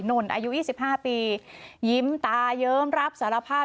นนอายุ๒๕ปียิ้มตาเยิ้มรับสารภาพ